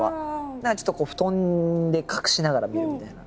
何かちょっとこう布団で隠しながら見るみたいな。